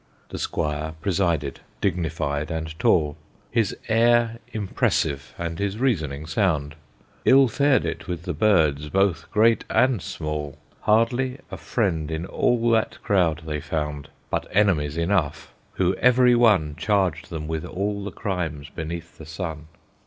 The Squire presided, dignified and tall, His air impressive and his reasoning sound; Ill fared it with the birds, both great and small; Hardly a friend in all that crowd they found, But enemies enough, who every one Charged them with all the crimes beneath the sun.